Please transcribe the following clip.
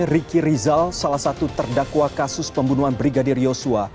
riki rizal salah satu terdakwa kasus pembunuhan brigadir yosua